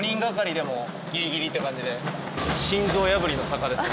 心臓破りの坂ですね。